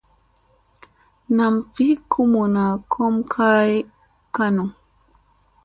Nam vi kuluma kom kay kanu.